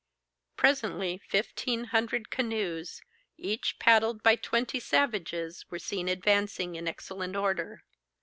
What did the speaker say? Presently fifteen hundred canoes, each paddled by twenty savages, were seen advancing in excellent order.